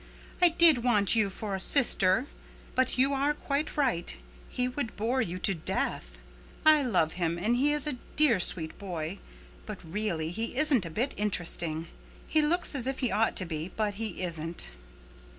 "I did want you for a sister. But you are quite right. He would bore you to death. I love him, and he is a dear sweet boy, but really he isn't a bit interesting. He looks as if he ought to be, but he isn't."